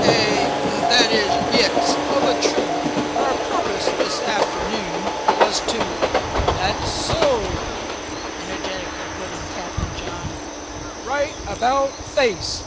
"A that is yes, of a truth our purpose this afternoon was to " "That's so!" energetically put in Captain John. "Right about face!